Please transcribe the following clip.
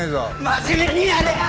真面目にやれよ！